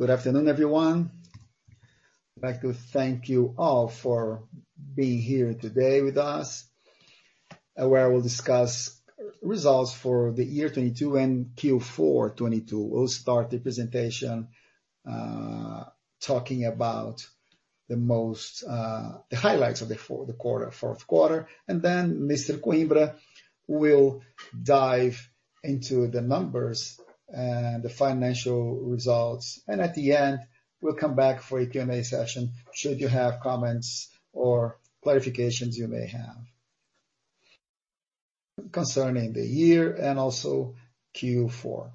Good afternoon, everyone. I'd like to thank you all for being here today with us, where we'll discuss results for the year 2022 and Q4 2022. We'll start the presentation, talking about the most, the highlights of the quarter, fourth quarter, and then Mr. Coimbra will dive into the numbers and the financial results. At the end, we'll come back for a Q&A session, should you have comments or clarifications you may have concerning the year and also Q4.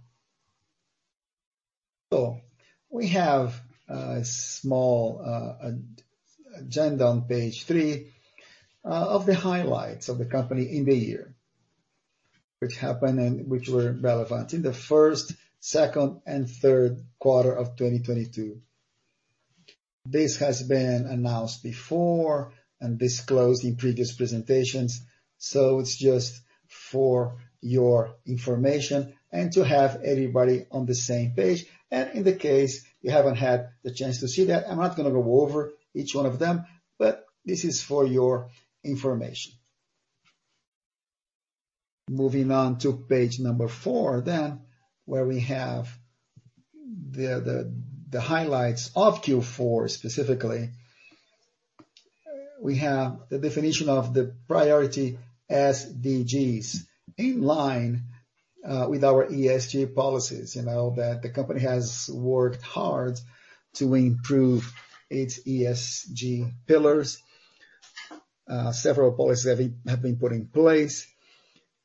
We have a small agenda on page three of the highlights of the company in the year, which happened and which were relevant in the first, second, and third quarter of 2022. This has been announced before and disclosed in previous presentations, so it's just for your information and to have everybody on the same page. In the case you haven't had the chance to see that, I'm not gonna go over each one of them, but this is for your information. Moving on to page four, where we have the highlights of Q4 specifically. We have the definition of the priority SDGs in line with our ESG policies. You know that the company has worked hard to improve its ESG pillars. Several policies have been put in place.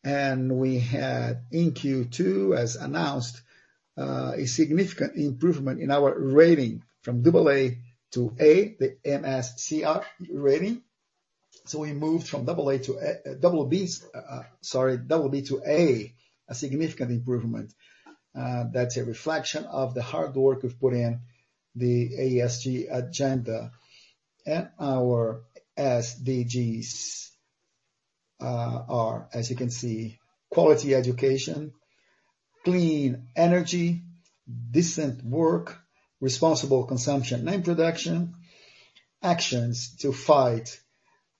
We had in Q2, as announced, a significant improvement in our rating from AA to A, the MSCI rating. We moved from BB to A, a significant improvement. That's a reflection of the hard work we've put in the ESG agenda. Our SDGs are, as you can see, quality education, clean energy, decent work, responsible consumption and production, actions to fight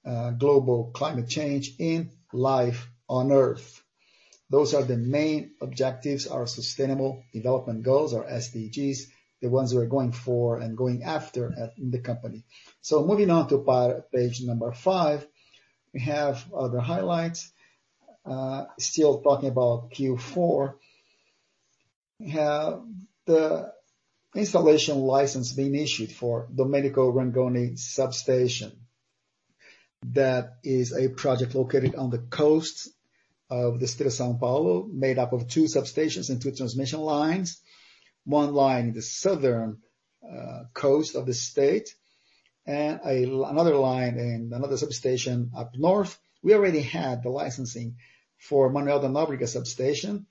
global climate change and life on earth. Those are the main objectives, our sustainable development goals, our SDGs, the ones we are going for and going after in the company. Moving on to page number five, we have other highlights. Still talking about Q4, we have the installation license being issued for Domênico Rangoni substation. That is a project located on the coast of the state of São Paulo, made up of 2 substations and 2 transmission lines. One line in the southern coast of the state and another line and another substation up north. We already had the licensing for Manoel da Nóbrega substation,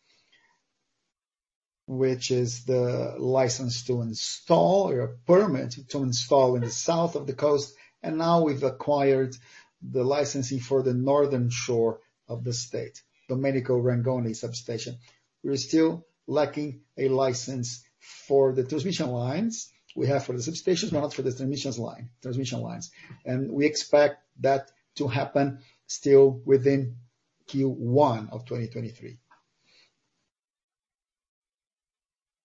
which is the license to install or permit to install in the south of the coast. Now we've acquired the licensing for the northern shore of the state, Domênico Rangoni substation. We're still lacking a license for the transmission lines. We have for the substations, but not for the transmission lines. We expect that to happen still within Q1 of 2023.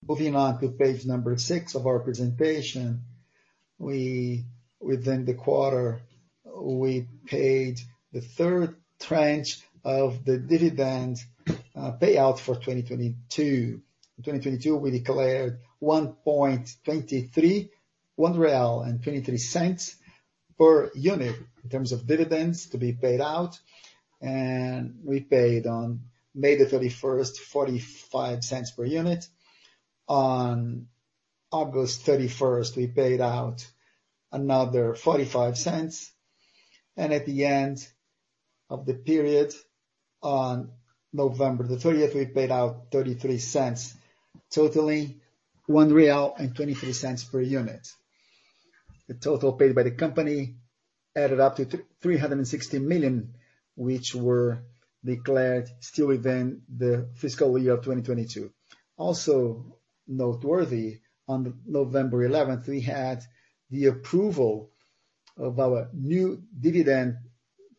Moving on to page number six of our presentation. We, within the quarter, we paid the third tranche of the dividend payout for 2022. In 2022, we declared 1.23 real per unit in terms of dividends to be paid out, and we paid on May 31st, 0.45 per unit. On August 31st, we paid out another 0.45. At the end of the period, on November 30th, we paid out 0.33, totaling 1.23 real per unit. The total paid by the company added up to 360 million, which were declared still within the fiscal year of 2022. Also noteworthy, on November 11th, we had the approval of our new dividend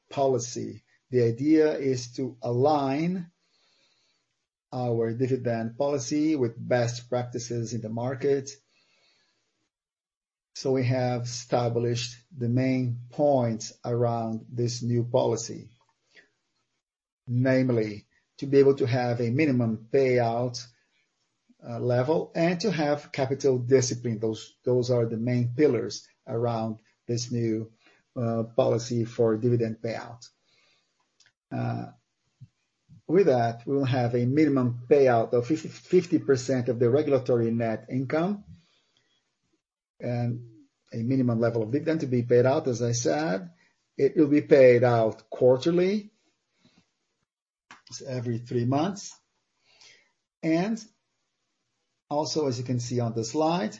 policy. The idea is to align our dividend policy with best practices in the market. We have established the main points around this new policy. Namely, to be able to have a minimum payout level and to have capital discipline. Those are the main pillars around this new policy for dividend payout. With that, we will have a minimum payout of 50% of the regulatory net income and a minimum level of dividend to be paid out, as I said. It will be paid out quarterly, so every three months. Also, as you can see on the slide,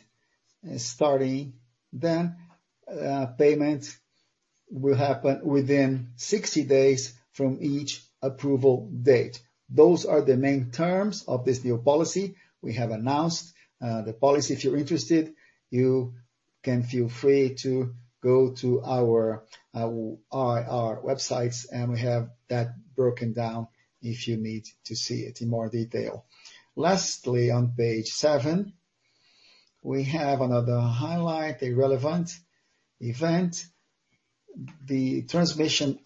starting then, payment will happen within 60 days from each approval date. Those are the main terms of this new policy. We have announced the policy. If you're interested, you can feel free to go to our websites, and we have that broken down if you need to see it in more detail. Lastly, on page seven, we have another highlight, a relevant event. The transmission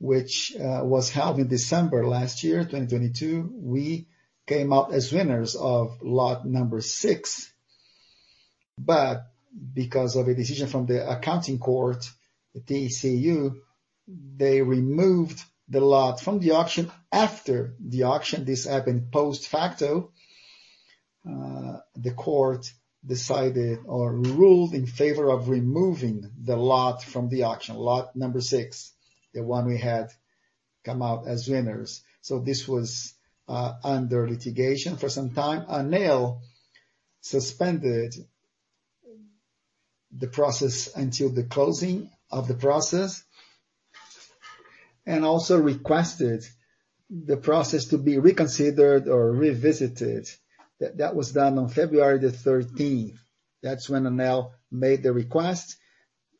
auction, which was held in December last year, 2022, we came out as winners of lot number six. Because of a decision from the accounting court, the TCU, they removed the lot from the auction after the auction. This happened post-facto. The court decided or ruled in favor of removing the lot from the auction. Lot number six, the one we had come out as winners. This was under litigation for some time. ANEEL suspended the process until the closing of the process, and also requested the process to be reconsidered or revisited. That was done on February 13th. That's when ANEEL made the request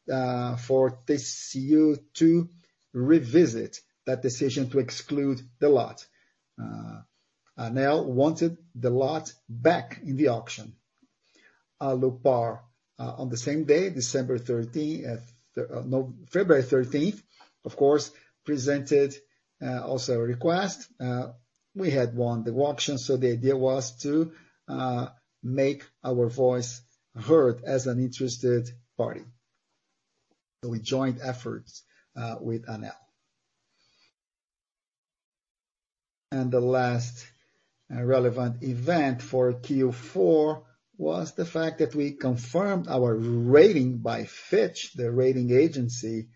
for TCU to revisit that decision to exclude the lot. ANEEL wanted the lot back in the auction. Alupar, on the same day, December 13-- no, February 13th, of course, presented also a request. We had won the auction, so the idea was to make our voice heard as an interested party. We joined efforts with ANEEL. The last relevant event for Q4 was the fact that we confirmed our rating by Fitch, the rating agency.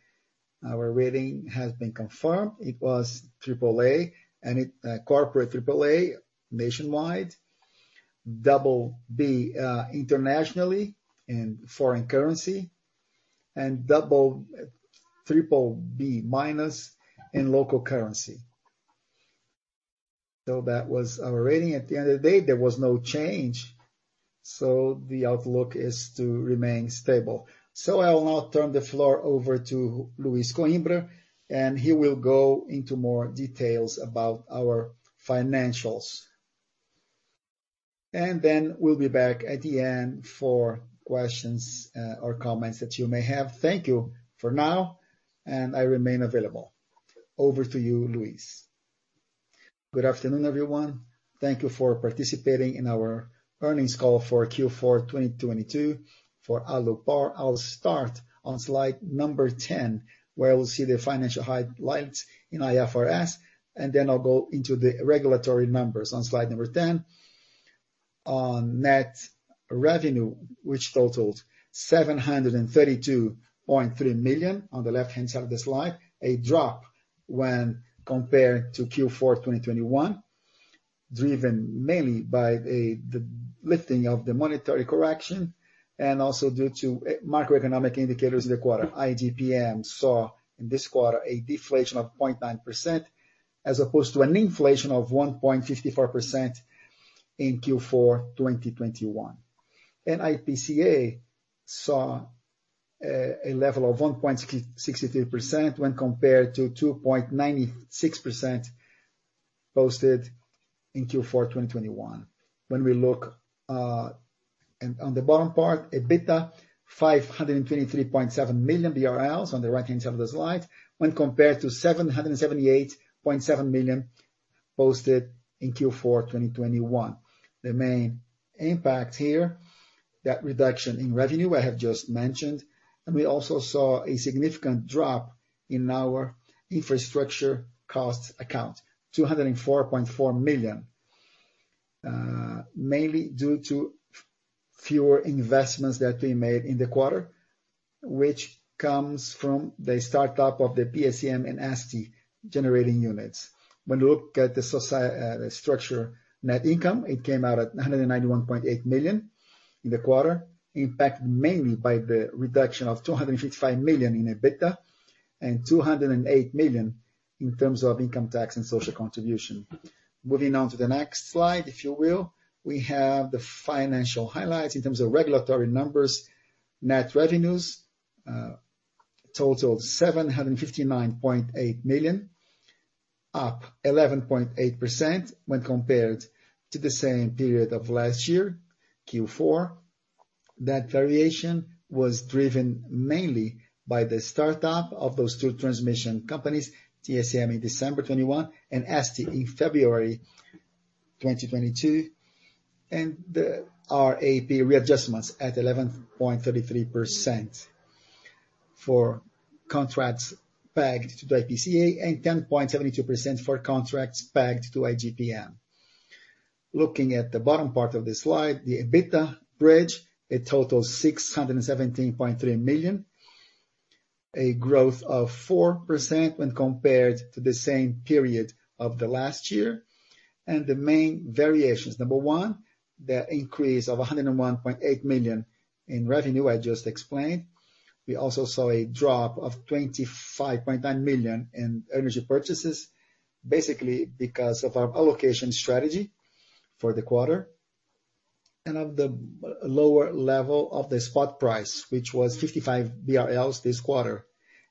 Our rating has been confirmed. It was triple A, and it, corporate triple A nationwide, double B, internationally in foreign currency, and triple B minus in local currency. That was our rating. At the end of the day, there was no change, the outlook is to remain stable. I will now turn the floor over to Luiz Coimbra, and he will go into more details about our financials. Then we'll be back at the end for questions, or comments that you may have. Thank you for now, and I remain available. Over to you, Luiz. Good afternoon, everyone. Thank you for participating in our earnings call for Q4 2022 for Alupar. I'll start on slide number 10, where we'll see the financial highlights in IFRS, then I'll go into the regulatory numbers. On slide number 10, on net revenue, which totaled 732.3 million on the left-hand side of the slide, a drop when compared to Q4 2021, driven mainly by the lifting of the monetary correction and also due to macroeconomic indicators in the quarter. IGPM saw in this quarter a deflation of 0.9% as opposed to an inflation of 1.54% in Q4 2021. IPCA saw a level of 1.63% when compared to 2.96% posted in Q4 2021. When we look on the bottom part, EBITDA, 523.7 million BRL on the right-hand side of the slide, when compared to 778.7 million posted in Q4 2021. The main impact here, that reduction in revenue I have just mentioned, and we also saw a significant drop in our infrastructure cost account, 204.4 million, mainly due to fewer investments that we made in the quarter, which comes from the startup of the PSEM and ASTI generating units. When you look at the structure net income, it came out at 191.8 million in the quarter, impacted mainly by the reduction of 255 million in EBITDA and 208 million in terms of income tax and social contribution. Moving on to the next slide, if you will. We have the financial highlights in terms of regulatory numbers. Net revenues totaled BRL 759.8 million, up 11.8% when compared to the same period of last year, Q4. That variation was driven mainly by the startup of those two transmission companies, PSEM in December 2021 and ASTI in February 2022, and the RAP readjustments at 11.33% for contracts pegged to the IPCA and 10.72% for contracts pegged to the IGPM. Looking at the bottom part of this slide, the EBITDA bridge, it totals 617.3 million, a growth of 4% when compared to the same period of last year. The main variations, number one, the increase of 101.8 million in revenue, I just explained. We also saw a drop of 25.9 million in energy purchases, basically because of our allocation strategy for the quarter and of the lower level of the spot price, which was 55 BRL this quarter.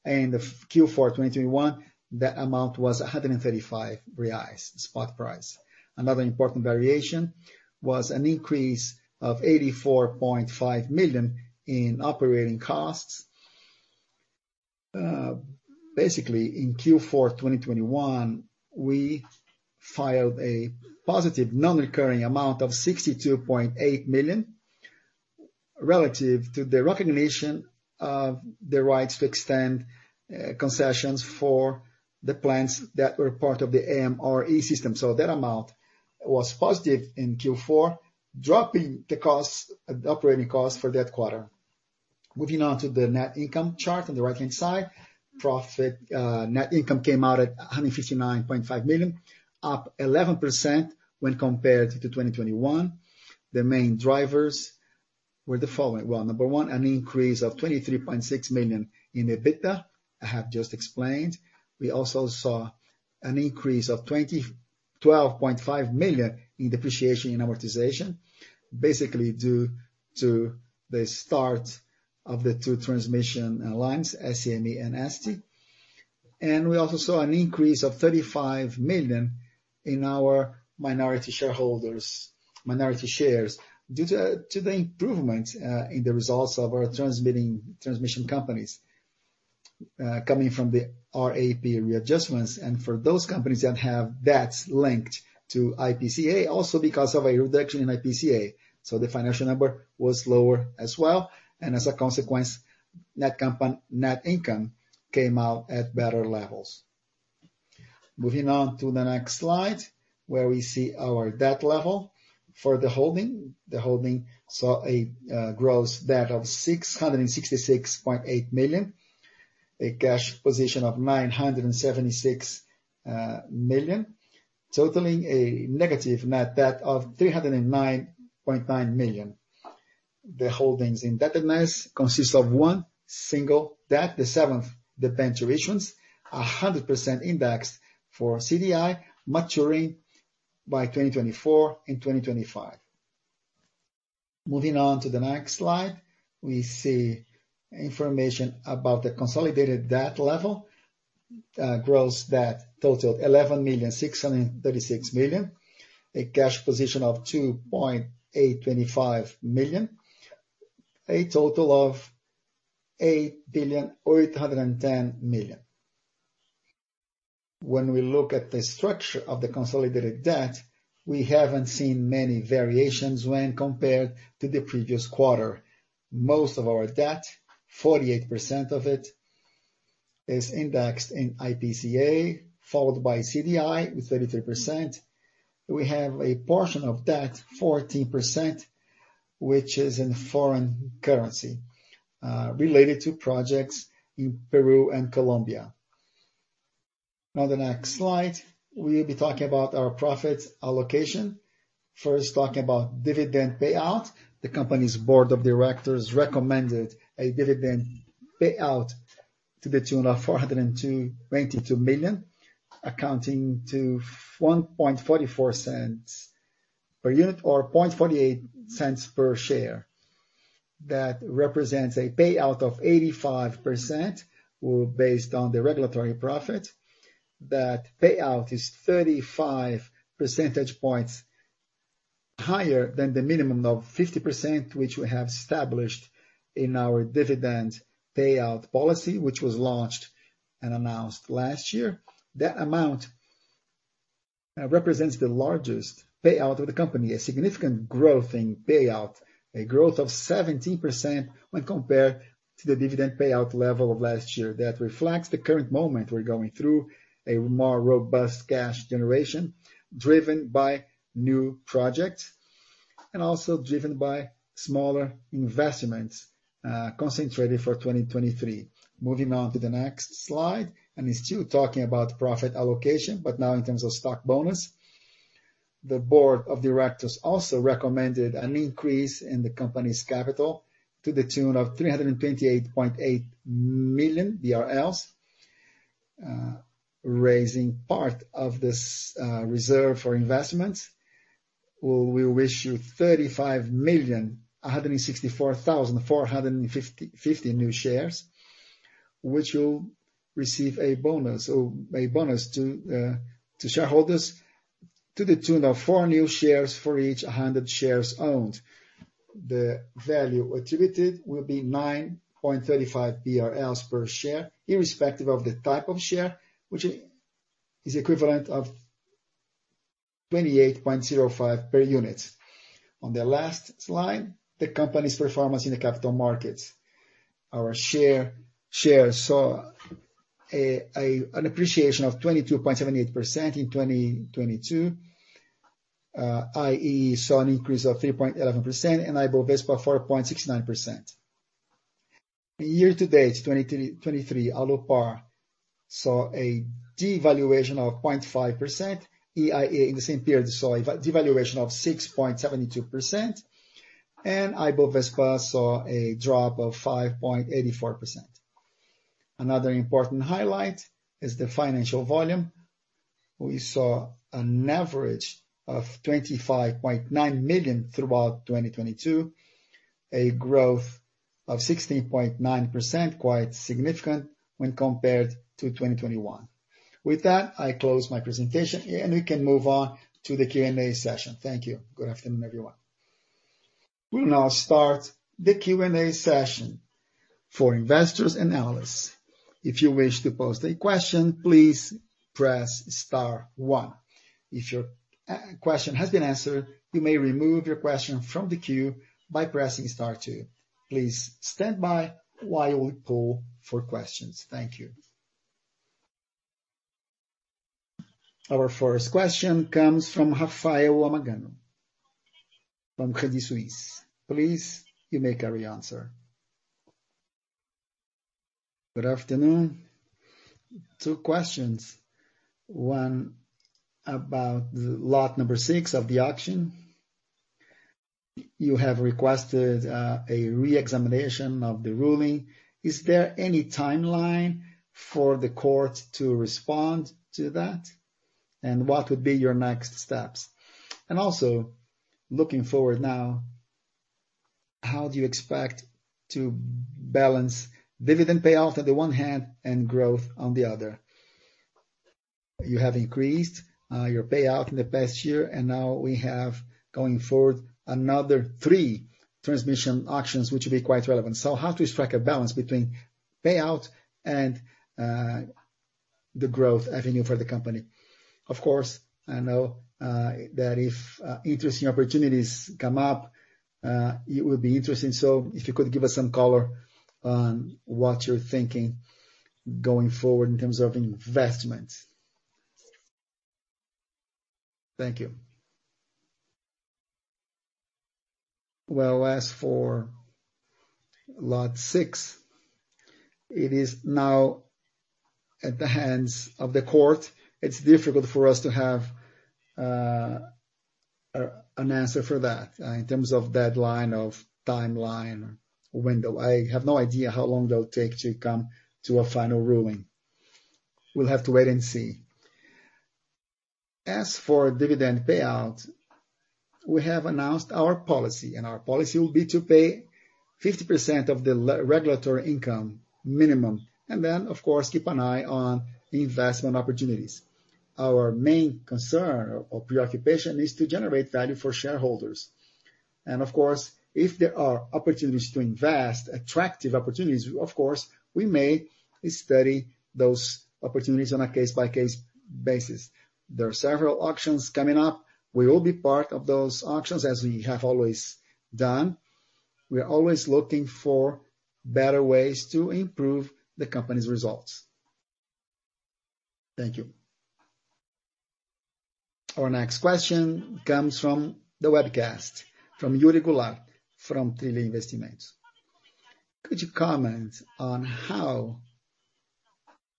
Q4 2021, that amount was 135 reais, spot price. Another important variation was an increase of 84.5 million in operating costs. Basically in Q4 2021, we filed a positive non-recurring amount of 62.8 million relative to the recognition of the rights to extend concessions for the plants that were part of the MRE system. That amount was positive in Q4, dropping the costs, operating costs for that quarter. Moving on to the net income chart on the right-hand side. Profit, net income came out at 159.5 million, up 11% when compared to 2021. The main drivers were the following. Well, number 1, an increase of 23.6 million in EBITDA, I have just explained. We also saw an increase of 12.5 million in depreciation and amortization, basically due to the start of the 2 transmission lines, ACME and SD. We also saw an increase of 35 million in our minority shares due to the improvement in the results of our transmission companies coming from the RAP readjustments. For those companies that have debts linked to IPCA, also because of a reduction in IPCA. The financial number was lower as well, and as a consequence, net income came out at better levels. Moving on to the next slide, where we see our debt level for the holding. The holding saw gross debt of 666.8 million, a cash position of 976 million, totaling a negative net debt of 309.9 million. The holding's indebtedness consists of one single debt, the seventh debenture issuance, 100% indexed for CDI, maturing by 2024 and 2025. Moving on to the next slide, we see information about the consolidated debt level. Gross debt totaled 11,636 million, a cash position of 2.825 million, a total of 8.810 billion. When we look at the structure of the consolidated debt, we haven't seen many variations when compared to the previous quarter. Most of our debt, 48% of it, is indexed in IPCA, followed by CDI with 33%. We have a portion of debt, 14%, which is in foreign currency, related to projects in Peru and Colombia. Now the next slide, we'll be talking about our profit allocation. First talking about dividend payout. The company's board of directors recommended a dividend payout to the tune of 402.2 million, accounting to 1.44 per unit or 0.48 per share. That represents a payout of 85% based on the regulatory profit. That payout is 35 percentage points higher than the minimum of 50%, which we have established in our dividend payout policy, which was launched and announced last year. That amount represents the largest payout of the company, a significant growth in payout, a growth of 17% when compared to the dividend payout level of last year. That reflects the current moment we're going through, a more robust cash generation driven by new projects and also driven by smaller investments, concentrated for 2023. Moving on to the next slide, it's still talking about profit allocation, but now in terms of stock bonus. The board of directors also recommended an increase in the company's capital to the tune of 328.8 million, raising part of this reserve for investments. We wish you 35,164,450 new shares, which will receive a bonus. A bonus to shareholders to the tune of 4 new shares for each 100 shares owned. The value attributed will be 9.35 BRL per share, irrespective of the type of share, which is equivalent of 28.05 per unit. On the last slide, the company's performance in the capital markets. Our share saw an appreciation of 22.78% in 2022. IE saw an increase of 3.11%, and Ibovespa 4.69%. Year to date 2023, Alupar saw a devaluation of 0.5%. EIA in the same period, saw a devaluation of 6.72%. Ibovespa saw a drop of 5.84%. Another important highlight is the financial volume. We saw an average of 25.9 million throughout 2022, a growth of 16.9%, quite significant when compared to 2021. With that, I close my presentation and we can move on to the Q&A session. Thank you. Good afternoon, everyone. We'll now start the Q&A session for Investors Analysts. If you wish to pose a question, please press star one. If your question has been answered, you may remove your question from the queue by pressing star two. Please stand by while we poll for questions. Thank you. Our first question comes from Rafael Nagano from Credit Suisse. Please, you may carry answer. Good afternoon. Two questions. One, about the lot number six of the auction. You have requested a re-examination of the ruling. Is there any timeline for the court to respond to that? What would be your next steps? Also, looking forward now, how do you expect to balance dividend payout on the one hand and growth on the other? You have increased your payout in the past year, now we have, going forward, another three transmission auctions, which will be quite relevant. How to strike a balance between payout and the growth avenue for the company. Of course, I know that if interesting opportunities come up, it would be interesting. If you could give us some color on what you're thinking going forward in terms of investment. Thank you. As for lot six, it is now at the hands of the court. It's difficult for us to have an answer for that in terms of deadline, of timeline or window. I have no idea how long that'll take to come to a final ruling. We'll have to wait and see. As for dividend payout, we have announced our policy, and our policy will be to pay 50% of the regulatory income minimum, and then, of course, keep an eye on the investment opportunities. Our main concern or preoccupation is to generate value for shareholders. Of course, if there are opportunities to invest, attractive opportunities, of course, we may study those opportunities on a case-by-case basis. There are several auctions coming up. We will be part of those auctions, as we have always done. We are always looking for better ways to improve the company's results. Thank you. Our next question comes from the webcast, from Yuri Goulart, from Trellus Investments. Could you comment on how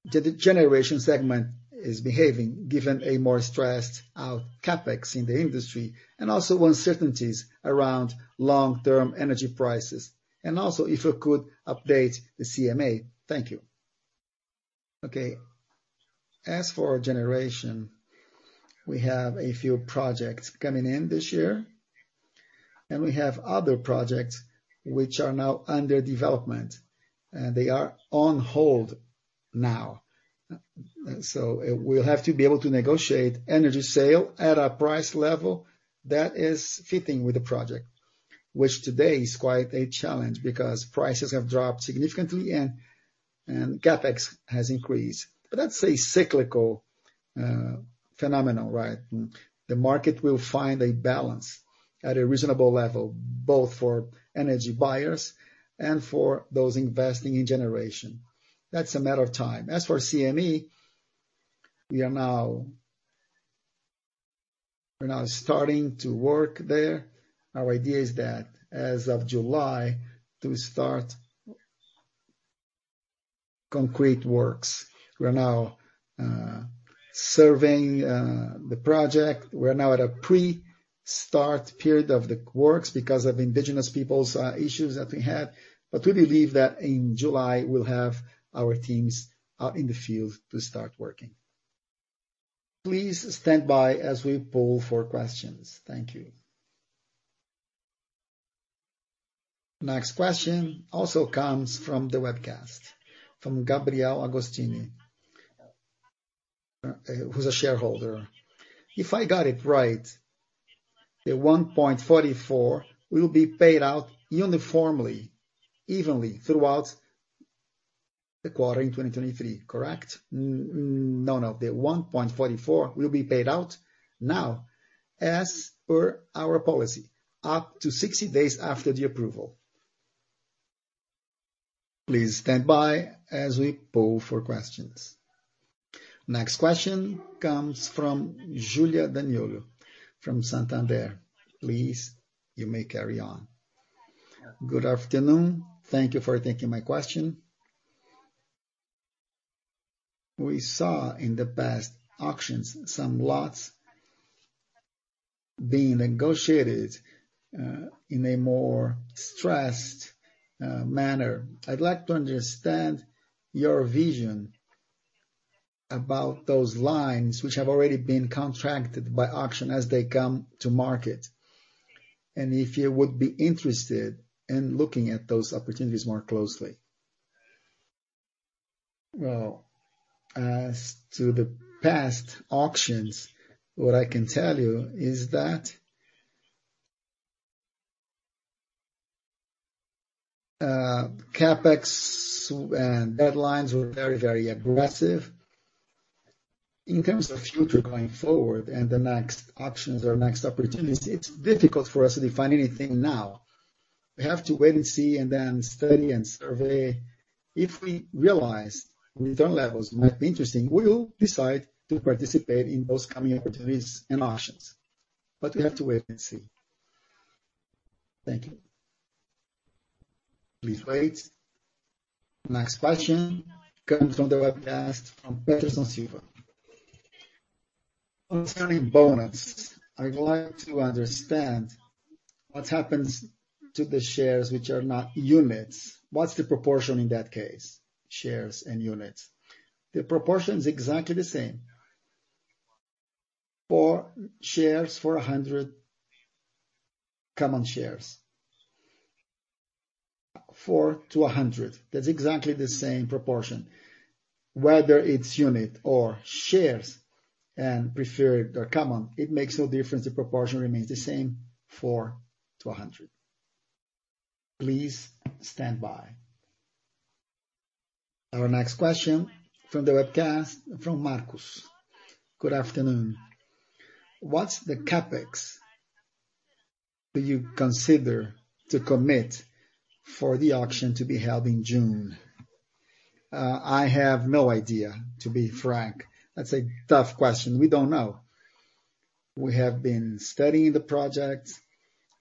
the generation segment is behaving, given a more stressed out CapEx in the industry, also uncertainties around long-term energy prices? Also, if you could update the CMA. Thank you. As for generation, we have a few projects coming in this year, and we have other projects which are now under development. They are on hold now. We'll have to be able to negotiate energy sale at a price level that is fitting with the project, which today is quite a challenge because prices have dropped significantly and CapEx has increased. That's a cyclical phenomenon, right? The market will find a balance at a reasonable level, both for energy buyers and for those investing in generation. That's a matter of time. As for CME, we're now starting to work there. Our idea is that as of July to start concrete works. We're now surveying the project. We're now at a pre-start period of the works because of indigenous people's issues that we had. We believe that in July, we'll have our teams out in the field to start working. Please stand by as we poll for questions. Thank you. Next question also comes from the webcast, from Gabriel Agostini, who's a shareholder. If I got it right, the 1.44 will be paid out uniformly, evenly throughout the quarter in 2023, correct? No, no. The 1.44 will be paid out now as per our policy, up to 60 days after the approval. Please stand by as we poll for questions. Next question comes from Julia Zaniolo from Santander. Please, you may carry on. Good afternoon. Thank you for taking my question. We saw in the past auctions some lots being negotiated in a more stressed manner. I'd like to understand your vision about those lines which have already been contracted by auction as they come to market, and if you would be interested in looking at those opportunities more closely. Well, as to the past auctions, what I can tell you is that CapEx and deadlines were very, very aggressive. In terms of future going forward and the next auctions or next opportunities, it's difficult for us to define anything now. We have to wait and see and then study and survey. If we realize return levels might be interesting, we will decide to participate in those coming opportunities and auctions. We have to wait and see. Thank you. Please wait. Next question comes from the webcast from Peterson Silva. Concerning bonus, I'd like to understand what happens to the shares which are not units. What's the proportion in that case, shares and units? The proportion is exactly the same. 4 shares for 100 common shares. 4 to 100. That's exactly the same proportion. Whether it's unit or shares and preferred or common, it makes no difference. The proportion remains the same, 4 to 100. Please stand by. Our next question from the webcast, from Marcus. Good afternoon. What's the CapEx do you consider to commit for the auction to be held in June? I have no idea, to be frank. That's a tough question. We don't know. We have been studying the project.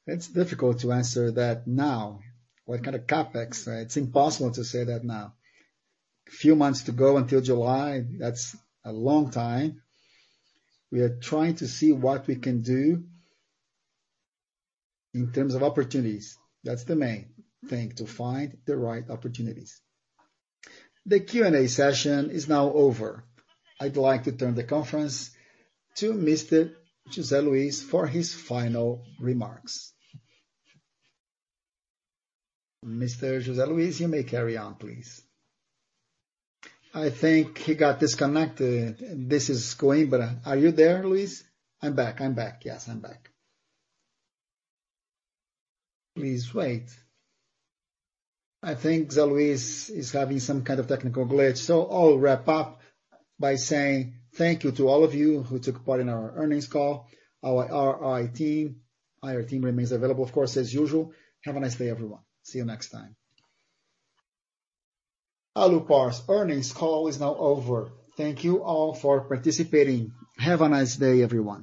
It's difficult to answer that now. What kind of CapEx? It's impossible to say that now. A few months to go until July. That's a long time. We are trying to see what we can do in terms of opportunities. That's the main thing, to find the right opportunities. The Q&A session is now over. I'd like to turn the conference to Mr. José Luiz for his final remarks. Mr. José Luiz, you may carry on, please. I think he got disconnected. This is Coimbra. Are you there, Luiz? I'm back, I'm back. Yes, I'm back. Please wait. I think José Luiz is having some kind of technical glitch. I'll wrap up by saying thank you to all of you who took part in our earnings call. Our RI team, IR team remains available, of course, as usual. Have a nice day, everyone. See you next time. Alupar's earnings call is now over. Thank you all for participating. Have a nice day, everyone.